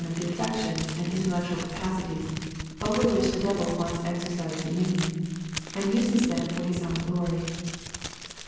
of the afiFections and intellectual capacities, over which the devil once exercised dominion, and uses them for His own 28 EXPOSITORY THOUGHTS glory.